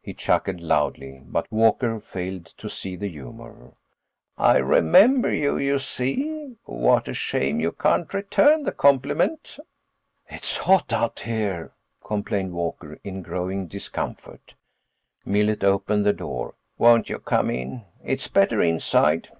He chuckled loudly but Walker failed to see the humor. "I remember you, you see; what a shame you can't return the compliment." "It's hot out here," complained Walker, in growing discomfort. Millet opened the door. "Won't you come in? It's better inside."